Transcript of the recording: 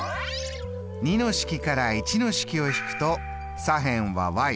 ２の式から１の式を引くと左辺は。